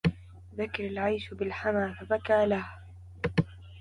ذكر العيش بالحمى فبكى له